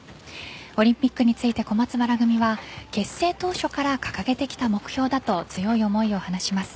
オリンピックについて小松原組は結成当初から掲げてきた目標の強い思いを話します。